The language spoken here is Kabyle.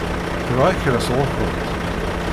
Tebɣa kra sɣur-kent?